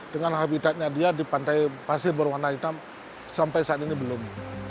dengan habitatnya dia di pantai pasir berwarna hitam sampai saat ini belum